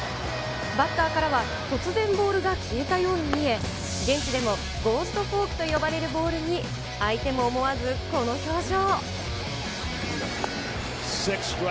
バッターからは突然ボールが消えたように見え、現地でもゴーストフォークと呼ばれるボールに、相手も思わずこの表情。